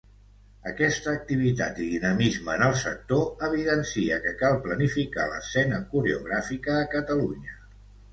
Aquesta activitat i dinamisme en el sector evidencia que cal planificar l’escena coreogràfica a Catalunya.